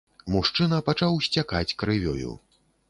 Мужчына пачаў сцякаць крывёю.